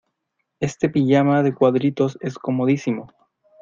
Este pijama de cuadritos es comodísimo.